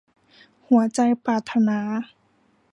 หัวใจปรารถนา